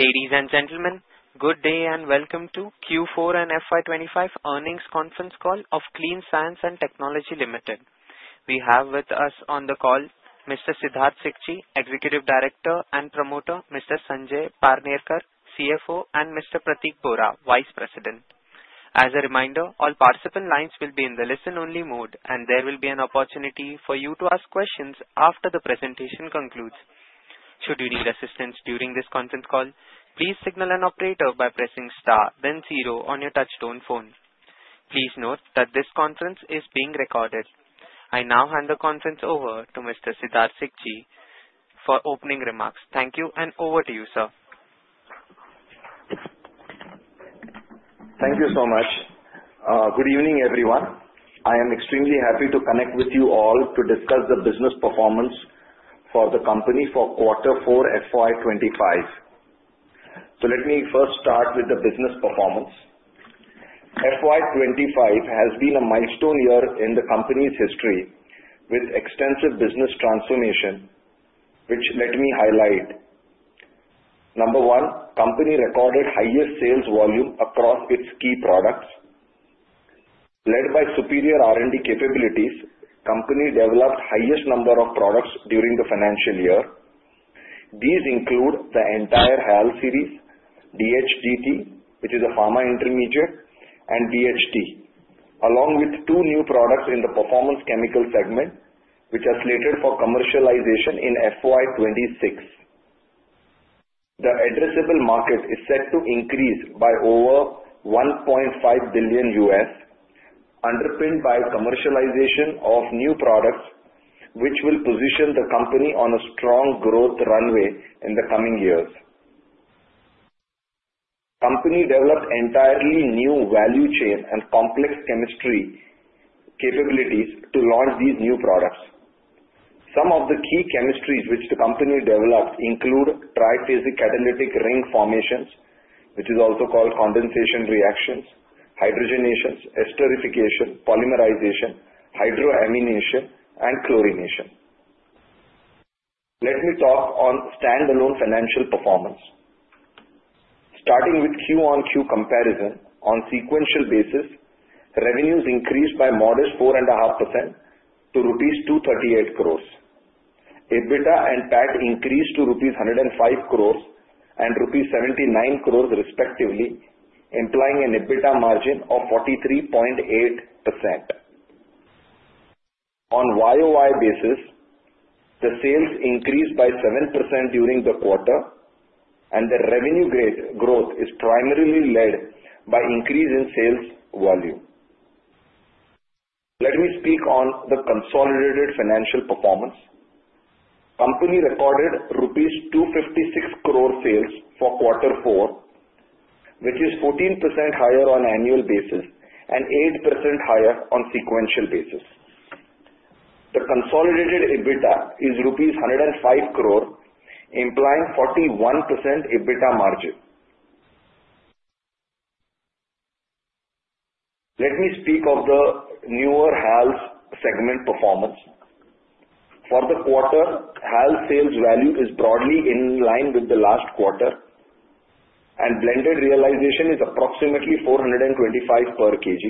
Ladies and gentlemen, good day and welcome to Q4 and FY25 Earnings Conference Call of Clean Science and Technology Limited. We have with us on the call Mr. Siddharth Sikchi, Executive Director and Promoter, Mr. Sanjay Parnerkar, CFO, and Mr. Pratik Bora, Vice President. As a reminder, all participant lines will be in the listen-only mode, and there will be an opportunity for you to ask questions after the presentation concludes. Should you need assistance during this conference call, please signal an operator by pressing star, then zero on your touchstone phone. Please note that this conference is being recorded. I now hand the conference over to Mr. Siddharth Sikchi for opening remarks. Thank you, and over to you, sir. Thank you so much. Good evening, everyone. I am extremely happy to connect with you all to discuss the business performance for the company for Q4 FY 2025. Let me first start with the business performance. FY 2025 has been a milestone year in the company's history with extensive business transformation, which let me highlight: number one, the company recorded highest sales volume across its key products. Led by superior R&D capabilities, the company developed the highest number of products during the financial year. These include the entire HALS series, DHDT, which is a pharma intermediate, and DHT, along with two new products in the performance chemical segment, which are slated for commercialization in FY 2026. The addressable market is set to increase by over $1.5 billion, underpinned by commercialization of new products, which will position the company on a strong growth runway in the coming years. The company developed entirely new value chain and complex chemistry capabilities to launch these new products. Some of the key chemistries which the company developed include triphasic catalytic ring formations, which is also called condensation reactions, hydrogenations, esterification, polymerization, hydroamination, and chlorination. Let me talk on standalone financial performance. Starting with Q-on-Q comparison, on a sequential basis, revenues increased by a modest 4.5% to rupees 238 crore. EBITDA and PAT increased to rupees 105 crore and rupees 79 crore, respectively, implying an EBITDA margin of 43.8%. On a Y-o-Y basis, the sales increased by 7% during the quarter, and the revenue growth is primarily led by an increase in sales volume. Let me speak on the consolidated financial performance. The company recorded 256 crore rupees sales for Q4, which is 14% higher on an annual basis and 8% higher on a sequential basis. The consolidated EBITDA is INR 105 crore, implying a 41% EBITDA margin. Let me speak of the newer HALS segment performance. For the quarter, HALS sales value is broadly in line with the last quarter, and blended realization is approximately 425 per kg,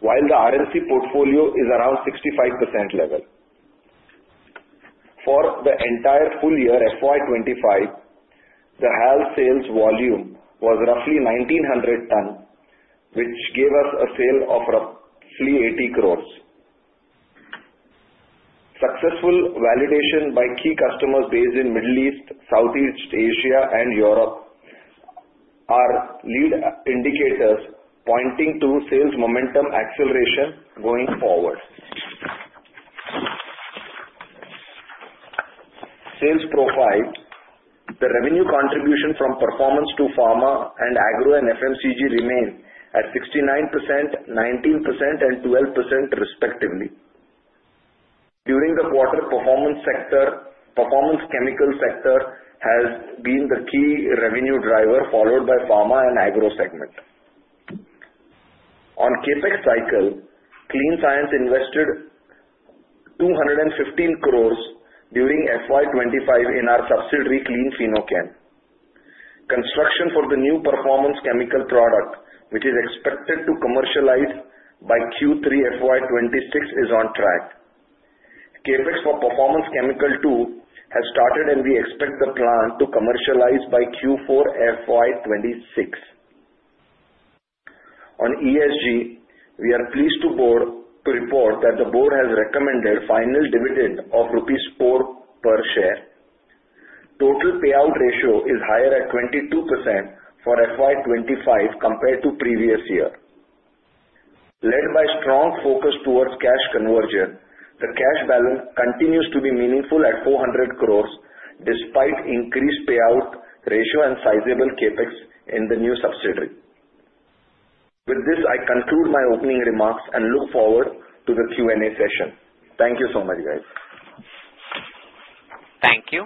while the RMC portfolio is around 65% level. For the entire full year FY 2025, the HALS sales volume was roughly 1,900 tons, which gave us a sale of roughly 80 crore. Successful validation by key customers based in the Middle East, Southeast Asia, and Europe are lead indicators pointing to sales momentum acceleration going forward. Sales profile, the revenue contribution from performance to pharma and agro and FMCG remains at 69%, 19%, and 12%, respectively. During the quarter, performance chemical sector has been the key revenue driver, followed by pharma and agro segment. On the CAPEX cycle, Clean Science invested 215 crore during FY 2025 in our subsidiary, Clean Fino-Chem. Construction for the new performance chemical product, which is expected to commercialize by Q3 FY 2026, is on track. CAPEX for performance chemical two has started, and we expect the plant to commercialize by Q4 FY 2026. On ESG, we are pleased to report that the board has recommended a final dividend of rupees 4 per share. The total payout ratio is higher at 22% for FY 2025 compared to the previous year. Led by a strong focus towards cash conversion, the cash balance continues to be meaningful at 400 crore despite the increased payout ratio and sizable CAPEX in the new subsidiary. With this, I conclude my opening remarks and look forward to the Q&A session. Thank you so much, guys. Thank you.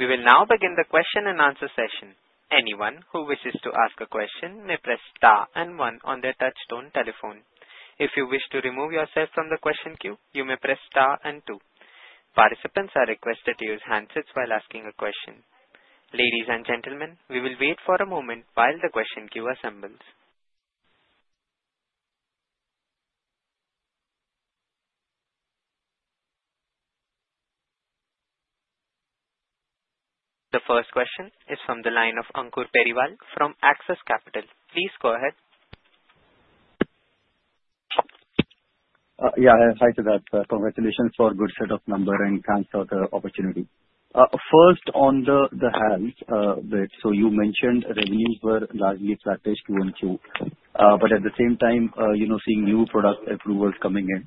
We will now begin the question and answer session. Anyone who wishes to ask a question may press star and one on their touchstone telephone. If you wish to remove yourself from the question queue, you may press star and two. Participants are requested to use handsets while asking a question. Ladies and gentlemen, we will wait for a moment while the question queue assembles. The first question is from the line of Ankur Periwal from Access Capital. Please go ahead. Yeah, hi to that. Congratulations for a good set of numbers and thanks for the opportunity. First, on the HALS, you mentioned revenues were largely flattish Q1, Q2, but at the same time, seeing new product approvals coming in.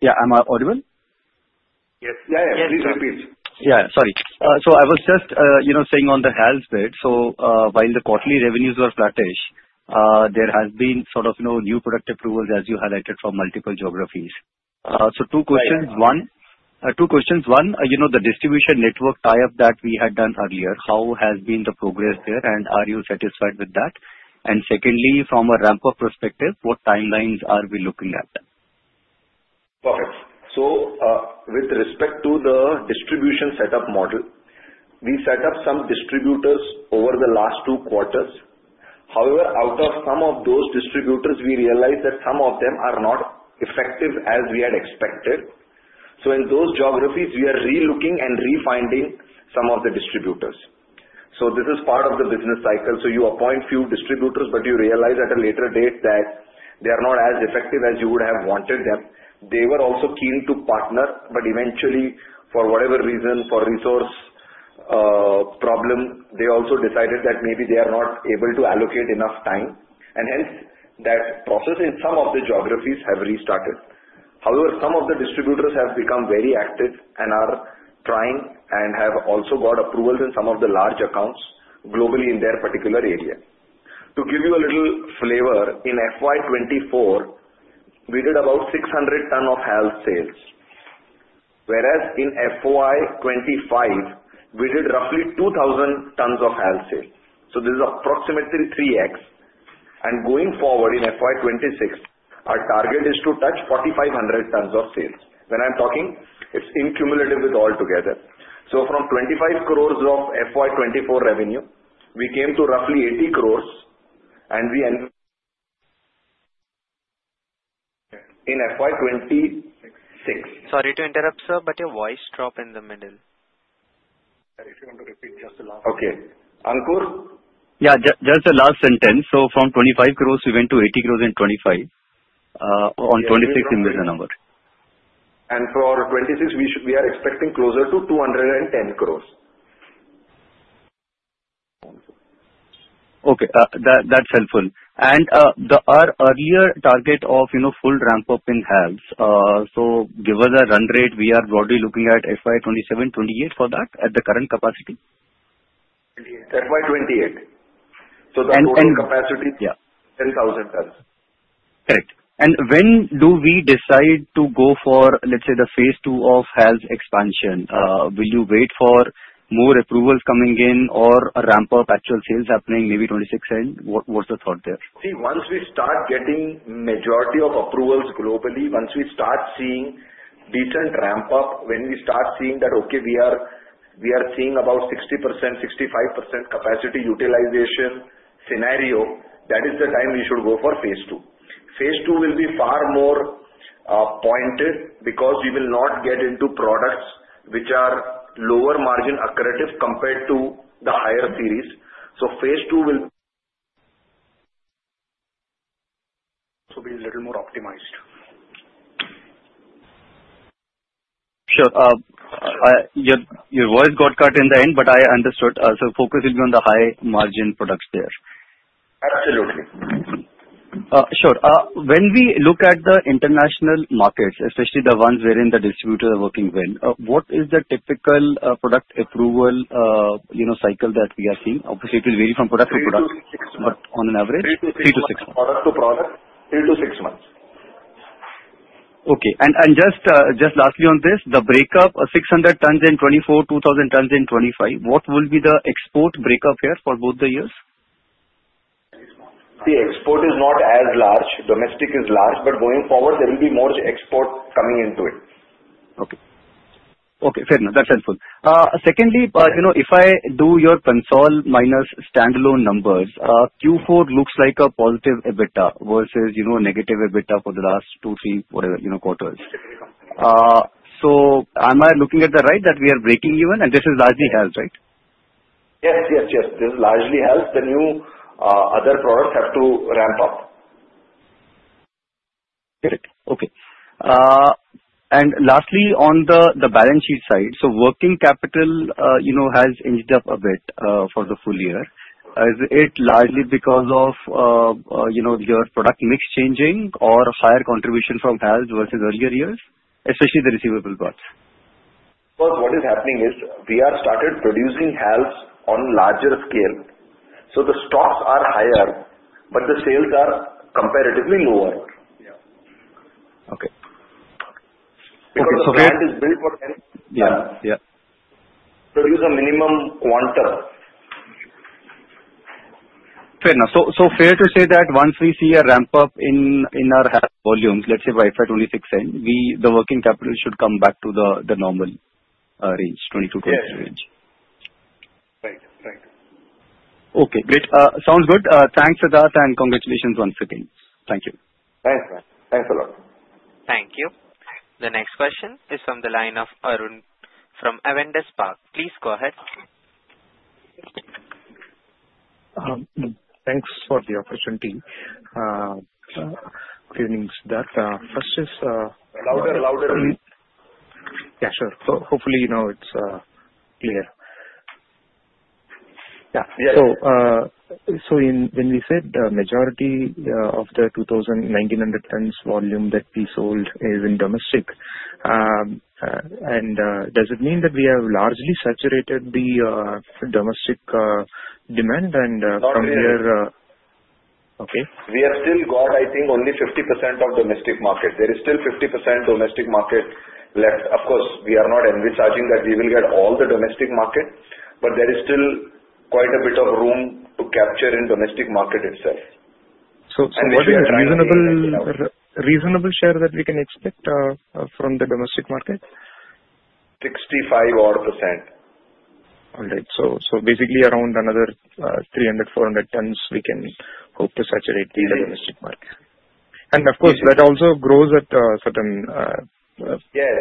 Yeah, am I audible? Yes. Please repeat. Yeah, sorry. I was just saying on the HALS side, while the quarterly revenues were flattish, there have been sort of new product approvals, as you highlighted, from multiple geographies. Two questions. One, the distribution network tie-up that we had done earlier, how has been the progress there, and are you satisfied with that? Secondly, from a ramp-up perspective, what timelines are we looking at? Okay. With respect to the distribution setup model, we set up some distributors over the last two quarters. However, out of some of those distributors, we realized that some of them are not effective as we had expected. In those geographies, we are relooking and refining some of the distributors. This is part of the business cycle. You appoint a few distributors, but you realize at a later date that they are not as effective as you would have wanted them. They were also keen to partner, but eventually, for whatever reason, for resource problems, they also decided that maybe they are not able to allocate enough time. Hence, that process in some of the geographies has restarted. However, some of the distributors have become very active and are trying and have also got approvals in some of the large accounts globally in their particular area. To give you a little flavor, in FY 2024, we did about 600 tons of HALS sales, whereas in FY 2025, we did roughly 2,000 tons of HALS sales. This is approximately 3x. Going forward in FY 2026, our target is to touch 4,500 tons of sales. When I'm talking, it's cumulative with all together. From 25 crore of FY2024 revenue, we came to roughly 80 crore, and we ended in FY 2026. Sorry to interrupt, sir, but your voice dropped in the middle. If you want to repeat just the last. Okay. Ankur? Yeah, just the last sentence. So from 25 crore, we went to 80 crore in 2025 on 2026 in business number. For 2026, we are expecting closer to 210 crore. Okay. That's helpful. Our earlier target of full ramp-up in HALS, so give us a run rate. We are broadly looking at FY 2027- FY 2028 for that at the current capacity. FY 2028. The total capacity is 10,000 tons. Correct. When do we decide to go for, let's say, the phase two of HALS expansion? Will you wait for more approvals coming in or a ramp-up, actual sales happening, maybe 2026 end? What's the thought there? See, once we start getting the majority of approvals globally, once we start seeing a decent ramp-up, when we start seeing that, okay, we are seeing about 60%-65% capacity utilization scenario, that is the time we should go for phase two. Phase two will be far more pointed because we will not get into products which are lower margin accretive compared to the higher series. So phase two will be a little more optimized. Sure. Your voice got cut in the end, but I understood. Focus will be on the high-margin products there. Absolutely. Sure. When we look at the international markets, especially the ones wherein the distributors are working, what is the typical product approval cycle that we are seeing? Obviously, it will vary from product to product, but on an average, three to six months. Product to product, three to six months. Okay. And just lastly on this, the breakup, 600 tons in 2024, 2,000 tons in 2025, what will be the export breakup here for both the years? See, export is not as large. Domestic is large, but going forward, there will be more export coming into it. Okay. Okay. Fair enough. That's helpful. Secondly, if I do your consol minus standalone numbers, Q4 looks like a positive EBITDA versus negative EBITDA for the last two, three, whatever quarters. Am I looking at the right that we are breaking even, and this is largely HALS, right? Yes, yes, yes. This is largely HALS. The new other products have to ramp up. Got it. Okay. Lastly, on the balance sheet side, working capital has inched up a bit for the full year. Is it largely because of your product mix changing or higher contribution from HALS versus earlier years, especially the receivable parts? What is happening is we have started producing HALS on a larger scale. So the stocks are higher, but the sales are comparatively lower. Okay. Okay. So when. Because the plant is built for 10. Yeah. Yeah. Produce a minimum quantum. Fair enough. So fair to say that once we see a ramp-up in our HALS volumes, let's say by FY 2026 end, the working capital should come back to the normal range, 22% - 23% range. Yes. Right. Right. Okay. Great. Sounds good. Thanks, Siddharth, and congratulations once again. Thank you. Thanks, man. Thanks a lot. Thank you. The next question is from the line of Arun from Avendus Spark. Please go ahead. Thanks for the opportunity. Good evening, Siddharth. First is. Louder, louder. Yeah, sure. Hopefully, it's clear. Yeah. So when we said the majority of the 2,900 tons volume that we sold is in domestic, does it mean that we have largely saturated the domestic demand? And from here. Correct. Okay. We have still got, I think, only 50% of the domestic market. There is still 50% of the domestic market left. Of course, we are not envisaging that we will get all the domestic market, but there is still quite a bit of room to capture in the domestic market itself. What is the reasonable share that we can expect from the domestic market? 65-odd %. All right. So basically, around another 300-400 tons, we can hope to saturate the domestic market. And of course, that also grows at a certain. Yes.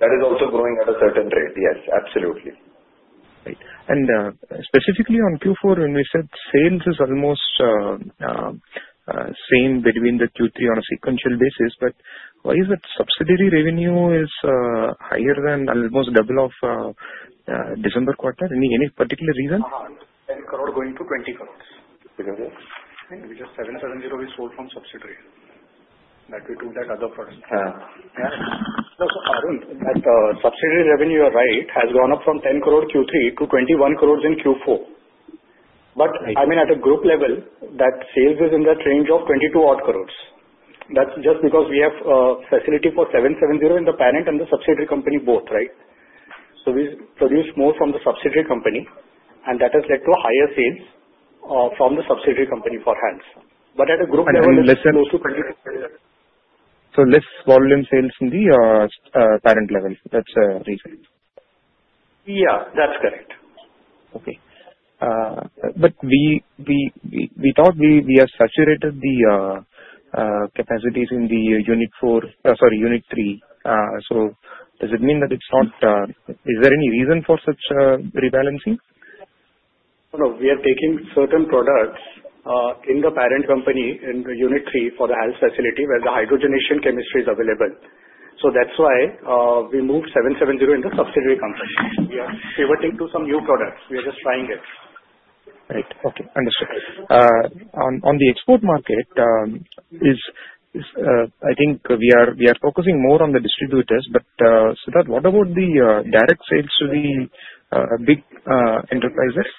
That is also growing at a certain rate. Yes, absolutely. Right. Specifically on Q4, when we said sales is almost same between the Q3 on a sequential basis, but why is it subsidiary revenue is higher than almost double of December quarter? Any particular reason? 10 crore going to 20 crore. Because 7,000 we sold from subsidiary. That we took that other product. Yeah. So Arun, that subsidiary revenue, you are right, has gone up from 10 crore Q3 to 21 crore in Q4. I mean, at a group level, that sales is in that range of 22 odd crore. That's just because we have facility for 7,700 in the parent and the subsidiary company both, right? We produce more from the subsidiary company, and that has led to higher sales from the subsidiary company for HALS. At a group level, it's close to INR 22. Less volume sales in the parent level. That's a reason. Yeah, that's correct. Okay. We thought we have saturated the capacities in unit four, sorry, unit three. Does it mean that it's not? Is there any reason for such rebalancing? No, we are taking certain products in the parent company in the unit three for the HALS facility where the hydrogenation chemistry is available. That is why we moved 7,700 in the subsidiary company. We are pivoting to some new products. We are just trying it. Right. Okay. Understood. On the export market, I think we are focusing more on the distributors. Siddharth, what about the direct sales to the big enterprises?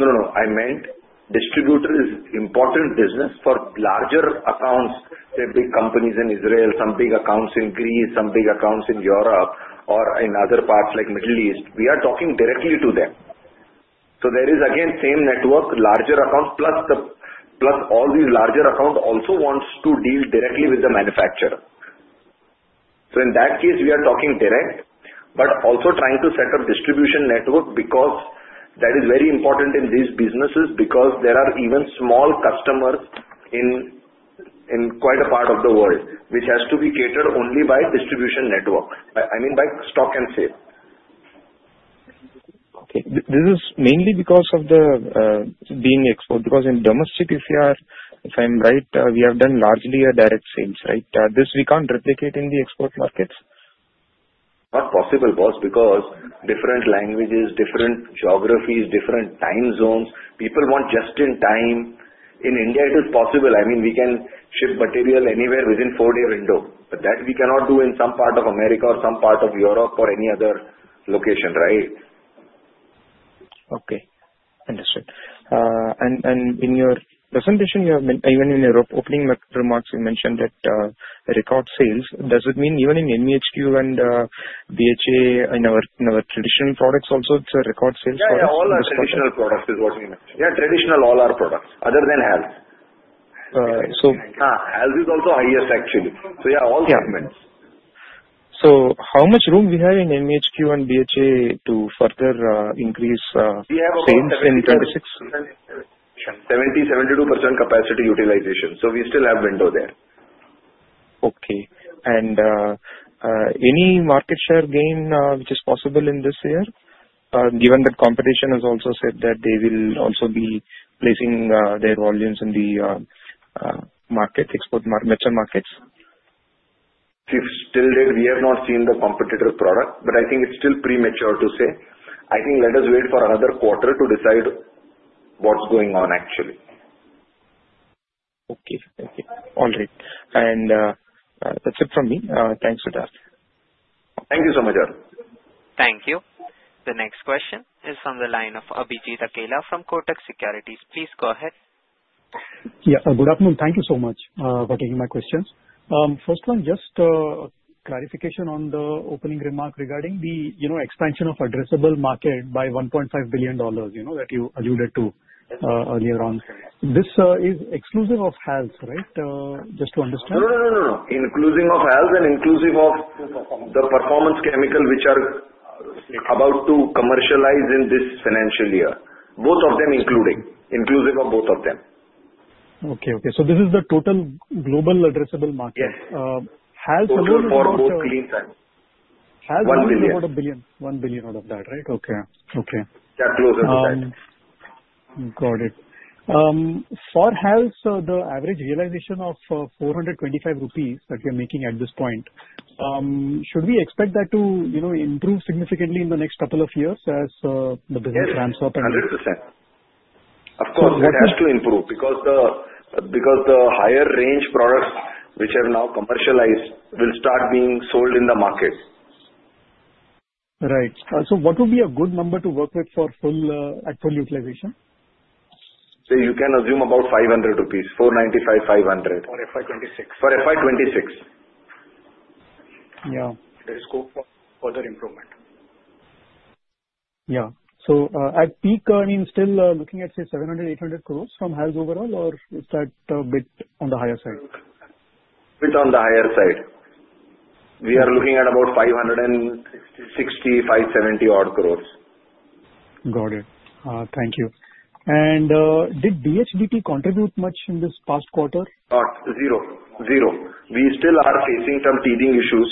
No, no, no. I meant, distributor is important business for larger accounts. There are big companies in Israel, some big accounts in Greece, some big accounts in Europe, or in other parts like the Middle East. We are talking directly to them. There is, again, same network, larger accounts, plus all these larger accounts also want to deal directly with the manufacturer. In that case, we are talking direct, but also trying to set up distribution network because that is very important in these businesses because there are even small customers in quite a part of the world, which has to be catered only by distribution network, I mean, by stock and sale. Okay. This is mainly because of the being export, because in domestic, if I'm right, we have done largely direct sales, right? This we can't replicate in the export markets? Not possible, boss, because different languages, different geographies, different time zones. People want just-in-time. In India, it is possible. I mean, we can ship material anywhere within a four-day window. That we cannot do in some part of America or some part of Europe or any other location, right? Okay. Understood. In your presentation, even in your opening remarks, you mentioned that record sales. Does it mean even in MEHQ and BHA, in our traditional products also, it is a record sales for the distribution? Yeah, all our traditional products is what we mentioned. Yeah, traditional all our products, other than HALS. Okay. So. HALS is also highest, actually. Yeah, all segments. How much room do we have in MEHQ and BHA to further increase sales in 2026? 70% - 72% capacity utilization. So we still have window there. Okay. Any market share gain which is possible in this year, given that competition has also said that they will also be placing their volumes in the market, export markets, mature markets? Still, we have not seen the competitor product, but I think it's still premature to say. I think let us wait for another quarter to decide what's going on, actually. Okay. Thank you. All right. And that's it from me. Thanks, Siddharth. Thank you so much, Arun. Thank you. The next question is from the line of Abhijit Akella from Kotak Securities. Please go ahead. Yeah. Good afternoon. Thank you so much for taking my questions. First one, just a clarification on the opening remark regarding the expansion of addressable market by $1.5 billion that you alluded to earlier on. This is exclusive of HALS, right? Just to understand. No, no. Inclusive of HALS and inclusive of the performance chemical which are about to commercialize in this financial year. Both of them, inclusive of both of them. Okay. Okay. So this is the total global addressable market. HALS alone. Equal for both Clean Science. HALS alone would have billions. One billion out of that, right? Okay. Okay. Yeah, close at the time. Got it. For HALS, the average realization of 425 rupees that you're making at this point, should we expect that to improve significantly in the next couple of years as the business ramps up 100%? Of course, it has to improve because the higher range products which have now commercialized will start being sold in the market. Right. So what would be a good number to work with for full actual utilization? You can assume about 500 rupees, 495, 500. For FY 2026. For FY 2026. Yeah. There is scope for further improvement. Yeah. At peak, I mean, still looking at, say, 700 crore - 800 crore from HALS overall, or is that a bit on the higher side? A bit on the higher side. We are looking at about 560 crore - 570 crore. Got it. Thank you. And did DHDT contribute much in this past quarter? Not. Zero. Zero. We still are facing some teething issues.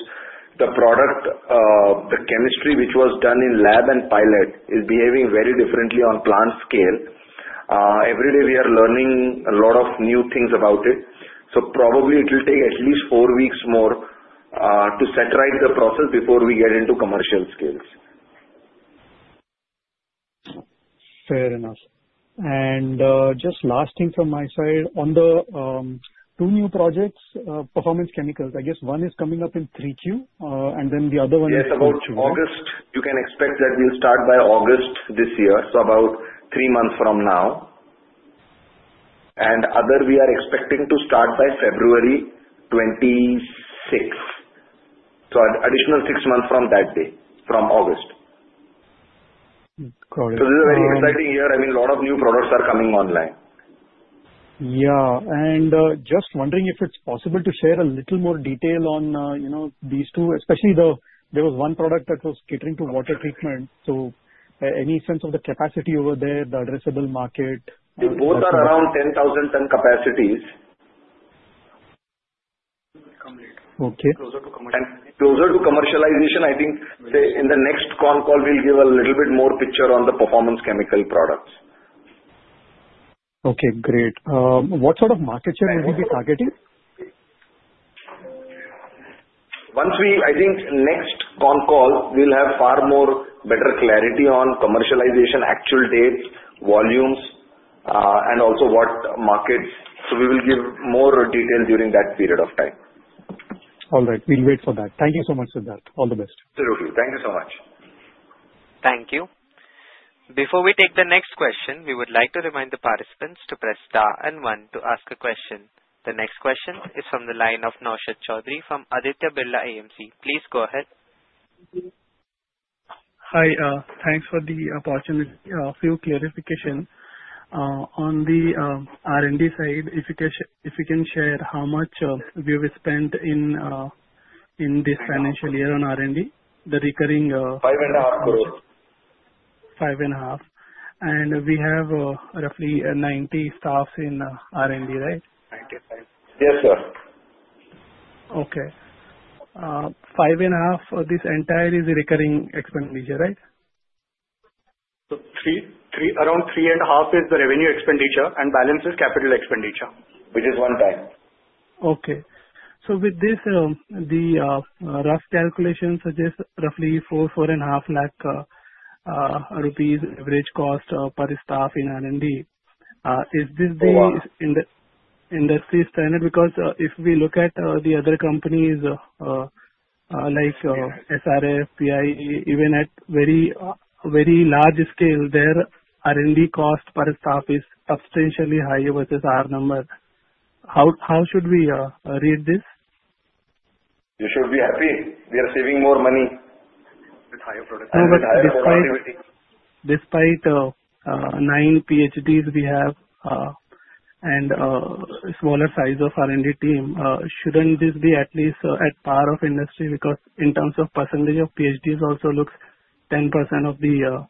The product, the chemistry which was done in lab and pilot is behaving very differently on plant scale. Every day, we are learning a lot of new things about it. Probably it will take at least four weeks more to saturate the process before we get into commercial scales. Fair enough. Just last thing from my side, on the two new projects, performance chemicals, I guess one is coming up in 3Q, and then the other one is. Yes, about August. You can expect that we'll start by August this year, so about three months from now. Other, we are expecting to start by February 2026, so additional six months from that day, from August. Got it. This is a very exciting year. I mean, a lot of new products are coming online. Yeah. Just wondering if it's possible to share a little more detail on these two, especially there was one product that was catering to water treatment. Any sense of the capacity over there, the addressable market? They both are around 10,000 ton capacities. Okay. Closer to commercialization, I think in the next con call, we'll give a little bit more picture on the performance chemical products. Okay. Great. What sort of market share will we be targeting? I think next con call, we'll have far more better clarity on commercialization, actual dates, volumes, and also what markets. We will give more detail during that period of time. All right. We'll wait for that. Thank you so much, Siddharth. All the best. Absolutely. Thank you so much. Thank you. Before we take the next question, we would like to remind the participants to press star and one to ask a question. The next question is from the line of Naushad Chaudhary from Aditya Birla AMC. Please go ahead. Hi. Thanks for the opportunity for your clarification. On the R&D side, if you can share how much we have spent in this financial year on R&D, the recurring. 5.5 crore. 5.5 crore. And we have roughly 90 staff in R&D, right? 95. Yes, sir. Okay. 5.5 crore, this entire is recurring expenditure, right? Around 3.5 crore is the revenue expenditure, and balance is capital expenditure, which is one time. Okay. So with this, the rough calculation suggests roughly 400 lakh rupees - INR 450 lakh average cost per staff in R&D. Is this the industry standard? Because if we look at the other companies like SRF, PI, even at very large scale, their R&D cost per staff is substantially higher versus our number. How should we read this? You should be happy. We are saving more money with higher productivity. Despite nine PhDs we have and smaller size of R&D team, shouldn't this be at least at par of industry? Because in terms of percentage of PhDs also looks 10% of the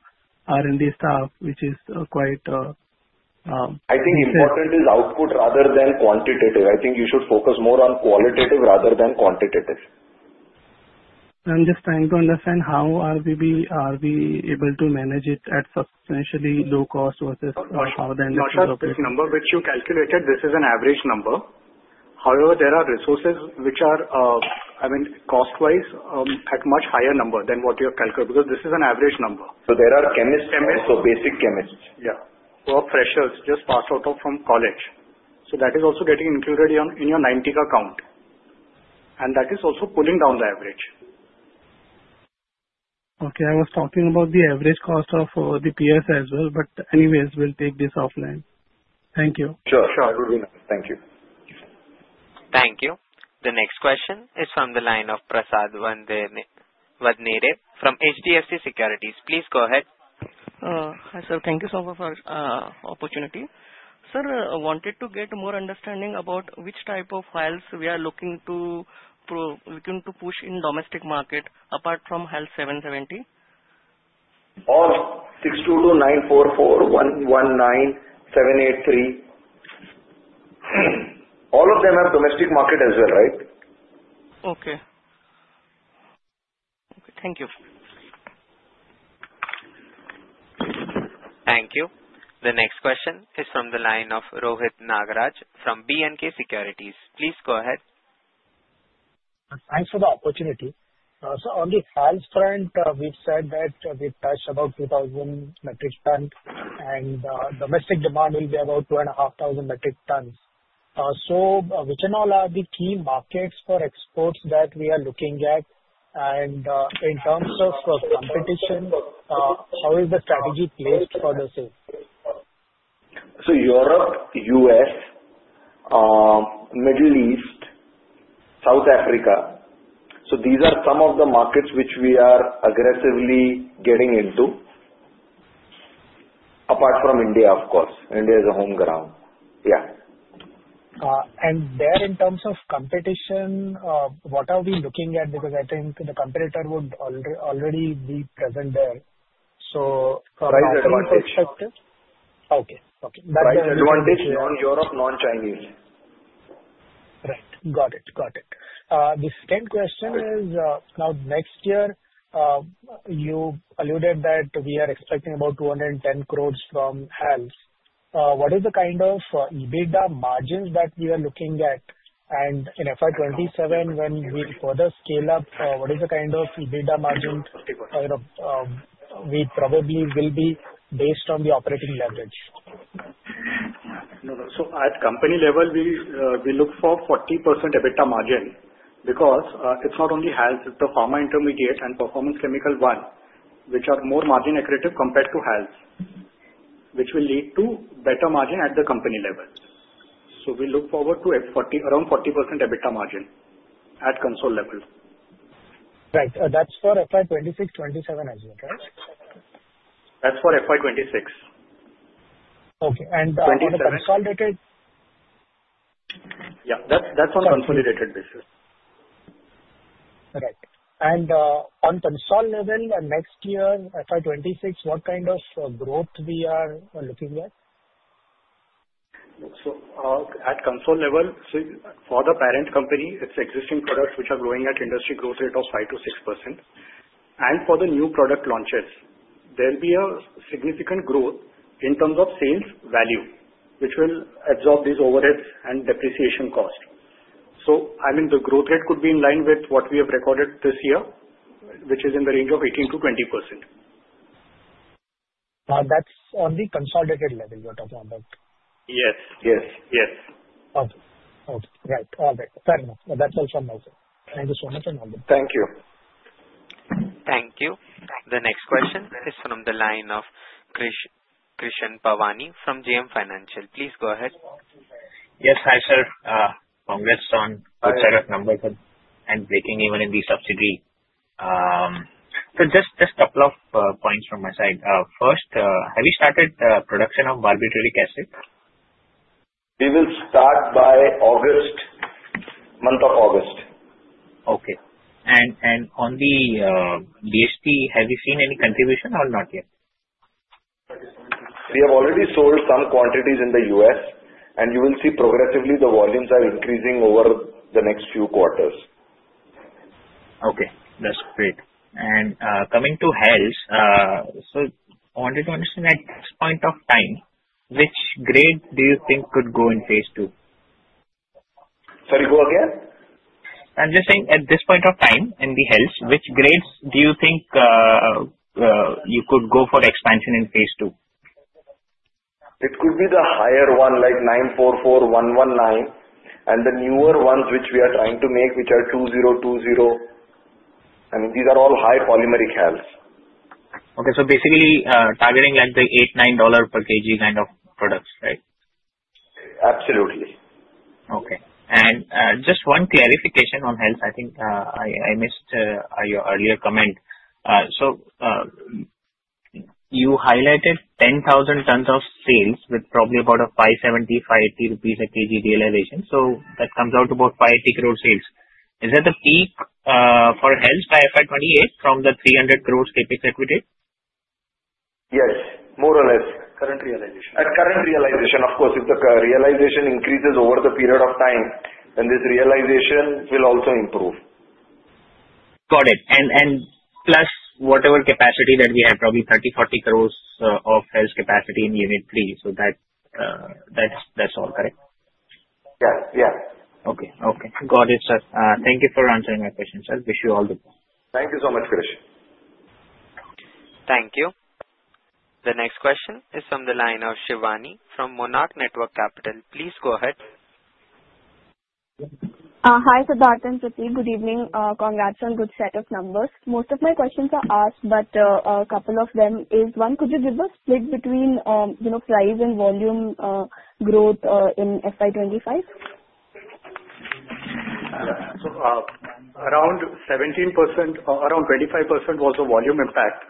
R&D staff, which is quite. I think important is output rather than quantitative. I think you should focus more on qualitative rather than quantitative. I'm just trying to understand how are we able to manage it at substantially low cost versus how the industry operates? The number which you calculated, this is an average number. However, there are resources which are, I mean, cost-wise, at much higher number than what you have calculated because this is an average number. There are chemists, so basic chemists. Yeah. Work pressures just passed out from college. That is also getting included in your 90 account. That is also pulling down the average. Okay. I was talking about the average cost of the peers as well, but anyways, we'll take this offline. Thank you. Sure. Sure. It will be nice. Thank you. Thank you. The next question is from the line of Prasad Vadnere from HDFC Securities. Please go ahead. Hi, sir. Thank you so much for the opportunity. Sir, I wanted to get more understanding about which type of HALS we are looking to push in domestic market apart from HALS 770. All 622, 944, 119, 783. All of them have domestic market as well, right? Okay. Okay. Thank you. Thank you. The next question is from the line of Rohit Nagraj from B&K Securities. Please go ahead. Thanks for the opportunity. On the HALS front, we've said that we've touched about 2,000 metric tons, and domestic demand will be about 2,500 metric tons. Which and all are the key markets for exports that we are looking at? In terms of competition, how is the strategy placed for the sale? Europe, U.S., Middle East, South Africa. These are some of the markets which we are aggressively getting into, apart from India, of course. India is a home ground. Yeah. In terms of competition, what are we looking at? Because I think the competitor would already be present there. From our perspective. Price advantage. Okay. Okay. Price advantage, non-Europe, non-Chinese. Right. Got it. Got it. The second question is, now next year, you alluded that we are expecting about 210 crore from HALs. What is the kind of EBITDA margins that we are looking at? In FY 2027, when we further scale up, what is the kind of EBITDA margin we probably will be based on the operating leverage? At company level, we look for 40% EBITDA margin because it's not only HALS, the pharma intermediate, and performance chemical one, which are more margin-accurative compared to HALS, which will lead to better margin at the company level. We look forward to around 40% EBITDA margin at console level. Right. That's for FY 2026, FY 2027 as well, right? That's for FY 2026. Okay. And consolidated? Yeah. That's on consolidated basis. Right. On console level, next year, FY 2026, what kind of growth are we looking at? At console level, for the parent company, it's existing products which are growing at industry growth rate of 5% - 6%. For the new product launches, there will be a significant growth in terms of sales value, which will absorb these overheads and depreciation cost. I mean, the growth rate could be in line with what we have recorded this year, which is in the range of 18% - 20%. That's on the consolidated level you're talking about? Yes. Okay. Okay. Right. All right. Fair enough. That's all from my side. Thank you so much and all the best. Thank you. Thank you. The next question is from the line of Krishan Parwani from JM Financial. Please go ahead. Yes. Hi, sir. Congrats on the setup numbers and breaking even in the subsidiary. Just a couple of points from my side. First, have you started production of barbituric acid? We will start by August, month of August. Okay. On the BHT, have you seen any contribution or not yet? We have already sold some quantities in the US, and you will see progressively the volumes are increasing over the next few quarters. Okay. That's great. Coming to HALS, I wanted to understand at this point of time, which grade do you think could go in phase two? Sorry, go again? I'm just saying at this point of time in the HALS, which grades do you think you could go for expansion in phase two? It could be the higher one, like 944, 119, and the newer ones which we are trying to make, which are 2020. I mean, these are all high polymeric HALS. Okay. So basically targeting like the $8 - $9 per kg kind of products, right? Absolutely. Okay. And just one clarification on HALS. I think I missed your earlier comment. You highlighted 10,000 tons of sales with probably about INR 570 - INR 580 a kg realization. That comes out to about 580 crore sales. Is that the peak for HALs by FY2028 from the 300 crore CAPEX equity? Yes. More or less. Current realization. At current realization, of course. If the realization increases over the period of time, then this realization will also improve. Got it. Plus whatever capacity that we have, probably 30 crore - 40 crore of HAL capacity in unit three. That is all correct? Yeah. Yeah. Okay. Okay. Got it, sir. Thank you for answering my question, sir. Wish you all the best. Thank you so much, Krish. Thank you. The next question is from the line of Shivani from Monarch Network Capital. Please go ahead. Hi, Siddharth and Pratik. Good evening. Congrats on good set of numbers. Most of my questions are asked, but a couple of them is one, could you give a split between price and volume growth in FY 2025? Yeah. So around 17%, around 25% was the volume impact.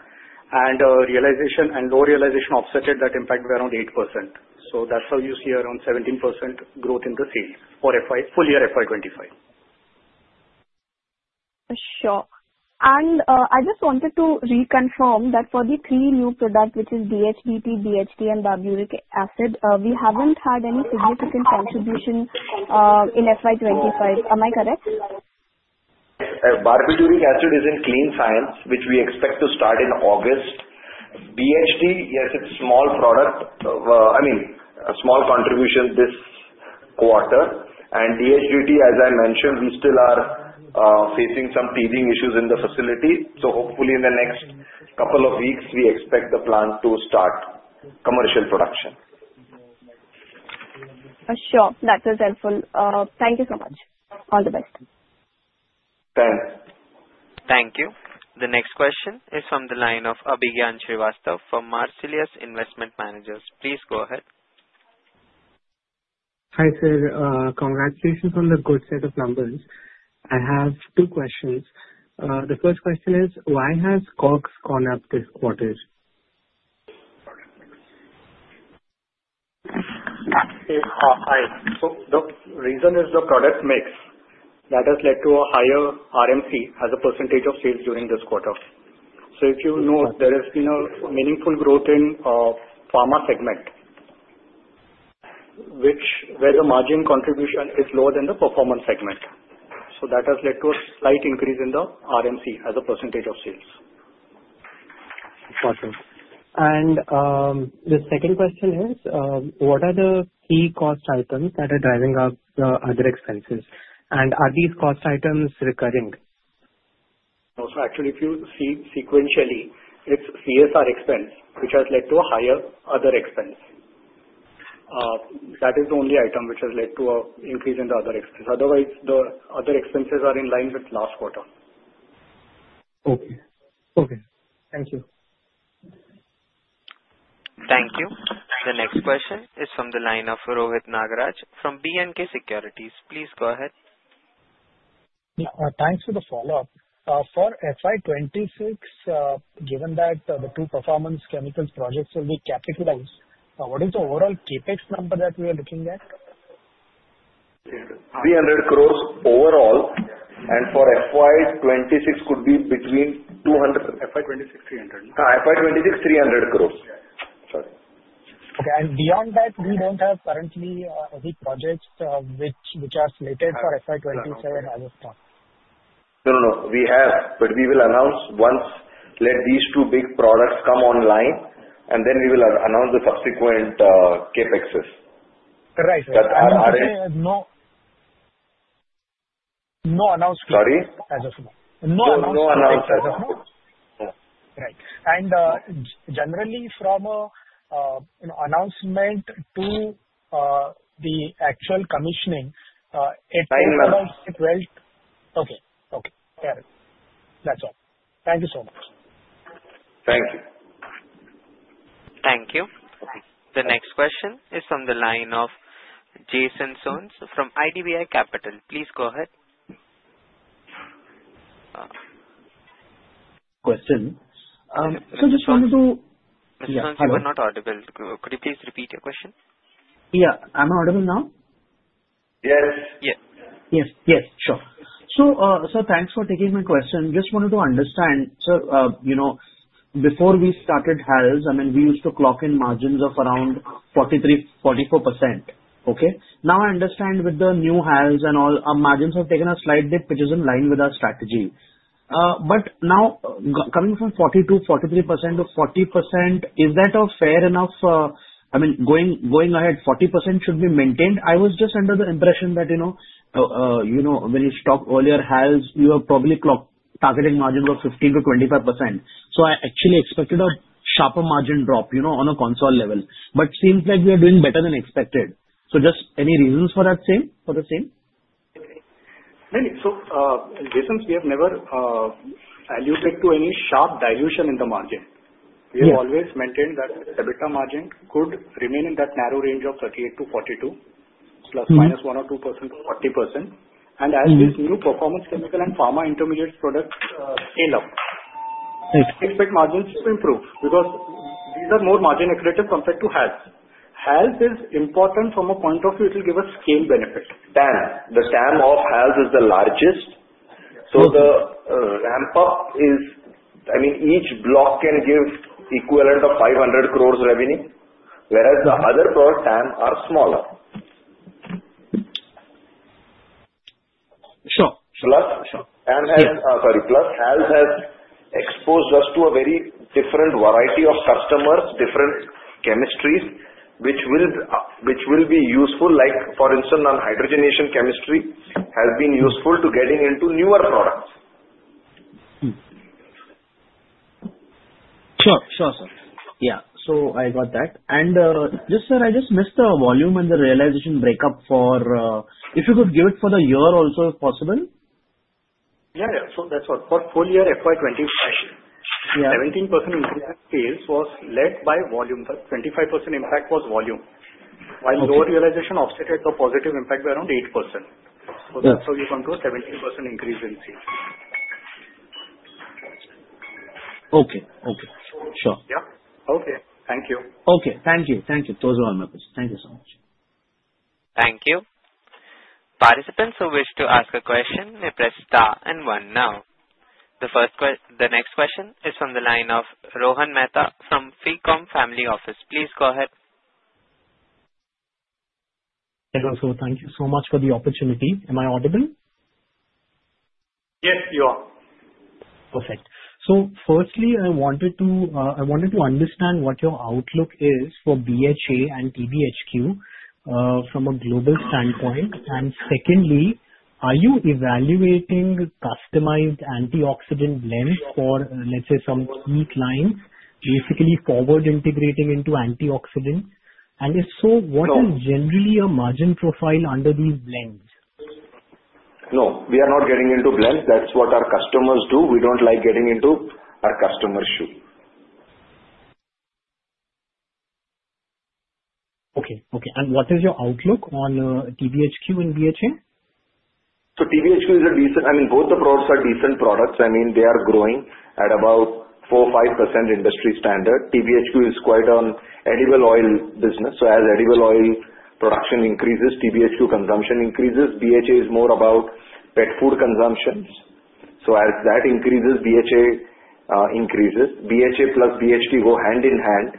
And realization and low realization offset that impact were around 8%. That is how you see around 17% growth in the sales for full year FY 2025. Sure. I just wanted to reconfirm that for the three new products, which are DHDT, BHT, and barbituric acid, we haven't had any significant contribution in FY 2025. Am I correct? Barbituric acid is in Clean Science, which we expect to start in August. BHT, yes, it's a small product. I mean, a small contribution this quarter. And DHDT, as I mentioned, we still are facing some teething issues in the facility. So hopefully in the next couple of weeks, we expect the plant to start commercial production. Sure. That was helpful. Thank you so much. All the best. Thanks. Thank you. The next question is from the line of Abhigyan Srivastav from Marsilius Investment Managers. Please go ahead. Hi, sir. Congratulations on the good set of numbers. I have two questions. The first question is, why has COGS gone up this quarter? Hi. The reason is the product mix. That has led to a higher RMC as a percentage of sales during this quarter. If you note, there has been a meaningful growth in pharma segment, where the margin contribution is lower than the performance segment. That has led to a slight increase in the RMC as a percentage of sales. Awesome. The second question is, what are the key cost items that are driving up the other expenses? Are these cost items recurring? Also, actually, if you see sequentially, it's CSR expense, which has led to a higher other expense. That is the only item which has led to an increase in the other expense. Otherwise, the other expenses are in line with last quarter. Okay. Okay. Thank you. Thank you. The next question is from the line of Rohit Nagaraj from B&K Securities. Please go ahead. Thanks for the follow-up. For FY 2026, given that the two performance chemicals projects will be capitalized, what is the overall CAPEX number that we are looking at? 300 crores overall. For FY 2026, could be between 200. FY 2026, 300. FY 2026, 300 crores. Sorry. Okay. Beyond that, we do not have currently any projects which are slated for FY 2027 as of now. No, no, no. We have, but we will announce once these two big products come online, and then we will announce the subsequent CAPEXs. Right. No announcement. Sorry? No announcement. No announcement. Right. Generally, from announcement to the actual commissioning, it is 12. Nine months. Okay. Okay. Fair enough. That's all. Thank you so much. Thank you. Thank you. The next question is from the line of Jason Soans from IDBI Capital. Please go ahead. Question. Just wanted to. Mr. Soans, you are not audible. Could you please repeat your question? Yeah. Am I audible now? Yes. Yes. Yes. Sure. So thanks for taking my question. Just wanted to understand, sir, before we started HALS, I mean, we used to clock in margins of around 43% - 44%. Okay? Now I understand with the new HALS and all, our margins have taken a slight dip, which is in line with our strategy. Now coming from 42% - 43% to 40%, is that fair enough? I mean, going ahead, 40% should be maintained. I was just under the impression that when you stock earlier HALS, you have probably clocked targeting margin of 15% - 25%. I actually expected a sharper margin drop on a console level. It seems like we are doing better than expected. Just any reasons for the same? Maybe. So Jason, we have never alluded to any sharp dilution in the margin. We have always maintained that EBITDA margin could remain in that narrow range of 38% - 42%, plus minus 1% or 2% to 40%. As these new performance chemical and pharma intermediate products scale up, we expect margins to improve because these are more margin-accretive compared to HALS. HALS is important from a point of view. It will give us scale benefit. The TAM of HALS is the largest. The ramp-up is, I mean, each block can give equivalent of 500 crore revenue, whereas the other block TAM are smaller. Sure. Plus, sorry, plus HALS has exposed us to a very different variety of customers, different chemistries, which will be useful. Like for instance, on hydrogenation chemistry has been useful to getting into newer products. Sure. Sure, sir. Yeah. I got that. Just, sir, I just missed the volume and the realization breakup for if you could give it for the year also if possible. Yeah. Yeah. That is what for full year FY 2025, 17% increase in sales was led by volume. But 25% impact was volume, while lower realization offset the positive impact was around 8%. That is how you come to a 17% increase in sales. Okay. Okay. Sure. Yeah. Okay. Thank you. Okay. Thank you. Thank you. Those are all my questions. Thank you so much. Thank you. Participants who wish to ask a question may press star and one now. The next question is from the line of Rohan Mehta from Ficom Family Office. Please go ahead. Hello sir. Thank you so much for the opportunity. Am I audible? Yes, you are. Perfect. Firstly, I wanted to understand what your outlook is for BHA and TBHQ from a global standpoint. Secondly, are you evaluating customized antioxidant blends for, let's say, some key clients, basically forward integrating into antioxidants? If so, what is generally a margin profile under these blends? No. We are not getting into blends. That's what our customers do. We don't like getting into our customers' shoe. Okay. Okay. What is your outlook on TBHQ and BHA? TBHQ is a decent, I mean, both the products are decent products. I mean, they are growing at about 4% - 5% industry standard. TBHQ is quite an edible oil business. As edible oil production increases, TBHQ consumption increases. BHA is more about pet food consumption. As that increases, BHA increases. BHA plus BHT go hand in hand.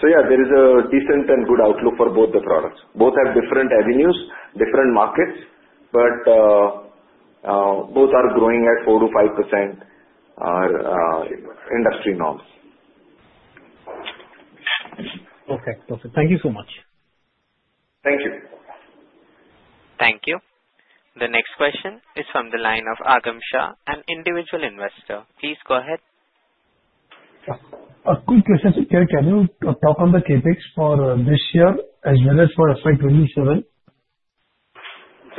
Yeah, there is a decent and good outlook for both the products. Both have different avenues, different markets, but both are growing at 4% - 5% industry norms. Perfect. Perfect. Thank you so much. Thank you. Thank you. The next question is from the line of Agam Shah, an individual investor. Please go ahead. A quick question. Can you talk on the CAPEX for this year as well as for FY 2027?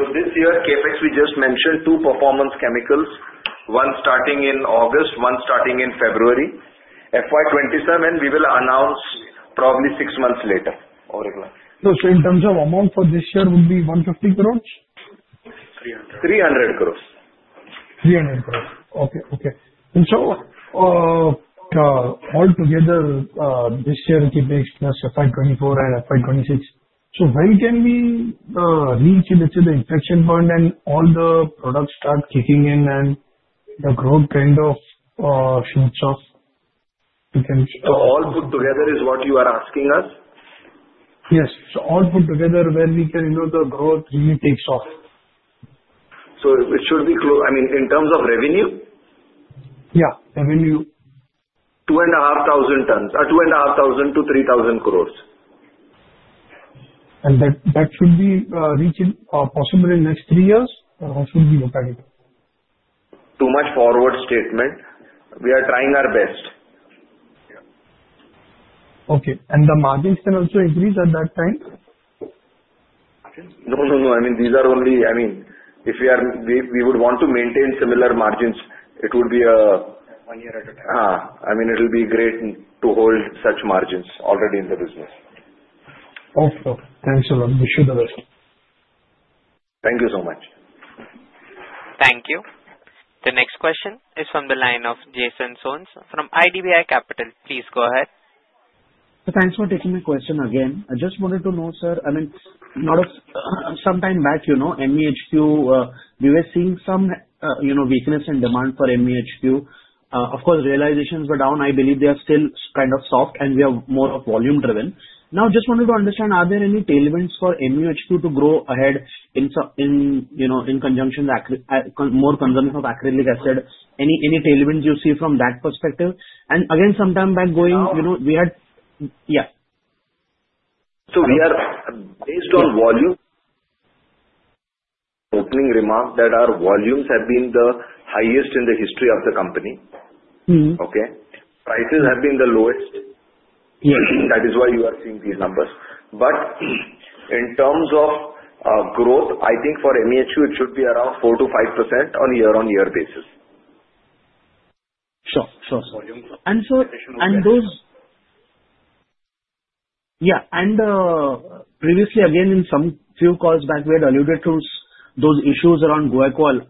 This year, CAPEX, we just mentioned two performance chemicals, one starting in August, one starting in February. FY 2027, we will announce probably six months later or. In terms of amount for this year, it will be 150 crore? crore. 300 crore. 300 crores. Okay. Okay. And so altogether, this year, CAPEX plus FY 2024 and FY 2026. When can we reach, let's say, the inflection point and all the products start kicking in and the growth kind of shoots off? All put together is what you are asking us? Yes. So all put together where we can know the growth really takes off. It should be close. I mean, in terms of revenue? Yeah. Revenue. Two and a half thousand tons. 2,500 crore - 3,000 crore. That should be reaching possibly in the next three years. How should we look at it? Too much forward statement. We are trying our best. Okay. And the margins can also increase at that time? No, no, no. I mean, these are only, I mean, if we would want to maintain similar margins, it would be a. One year at a time. I mean, it will be great to hold such margins already in the business. Okay. Thanks a lot. Wish you the best. Thank you so much. Thank you. The next question is from the line of Jason Soans from IDBI Capital. Please go ahead. Thanks for taking my question again. I just wanted to know, sir, I mean, sometime back, MEHQ, we were seeing some weakness in demand for MEHQ. Of course, realizations were down. I believe they are still kind of soft and we are more volume-driven. Now, just wanted to understand, are there any tailwinds for MEHQ to grow ahead in conjunction with more consumption of acrylic acid? Any tailwinds you see from that perspective? Again, sometime back going, we had. We are based on volume. Opening remark, that our volumes have been the highest in the history of the company. Okay? Prices have been the lowest. That is why you are seeing these numbers. In terms of growth, I think for MEHQ, it should be around 4% - 5% on a year-on-year basis. Sure. Sure. And so. Volume growth. Yeah. Previously, again, in some few calls back, we had alluded to those issues around Guaiacol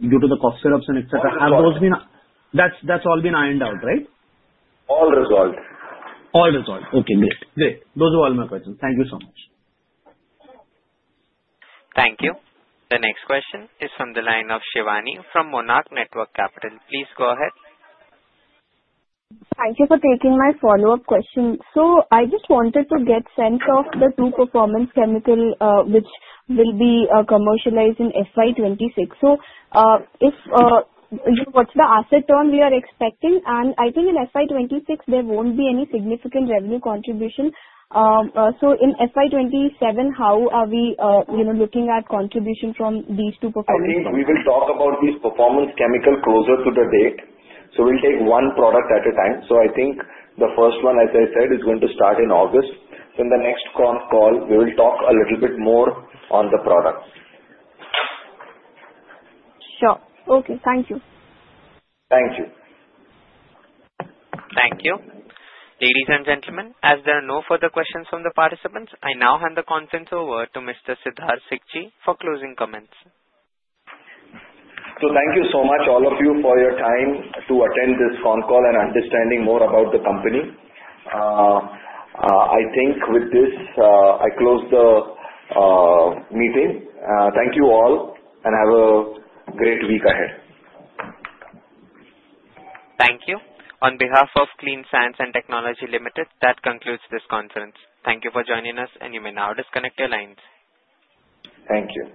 due to the cough syrups and etc. Have those been? That's all been ironed out, right? All resolved. All resolved. Okay. Great. Great. Those are all my questions. Thank you so much. Thank you. The next question is from the line of Shiwani from Monarch Network Capital. Please go ahead. Thank you for taking my follow-up question. I just wanted to get sense of the two performance chemicals which will be commercialized in FY 2026. What is the asset turn we are expecting? I think in FY 2026, there will not be any significant revenue contribution. In FY 2027, how are we looking at contribution from these two performance chemicals? I think we will talk about these performance chemicals closer to the date. We will take one product at a time. I think the first one, as I said, is going to start in August. In the next call, we will talk a little bit more on the product. Sure. Okay. Thank you. Thank you. Thank you. Ladies and gentlemen, as there are no further questions from the participants, I now hand the consents over to Mr. Siddharth Sikchi for closing comments. Thank you so much, all of you, for your time to attend this phone call and understanding more about the company. I think with this, I close the meeting. Thank you all and have a great week ahead. Thank you. On behalf of Clean Science and Technology Limited, that concludes this conference. Thank you for joining us, and you may now disconnect your lines. Thank you.